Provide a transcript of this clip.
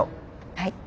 はい。